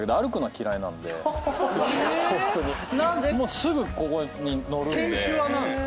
もうすぐここに乗るんで。